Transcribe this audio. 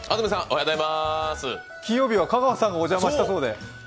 金曜日は香川さんがお邪魔したそうで？